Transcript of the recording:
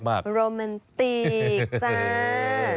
โรแมนติกจ้า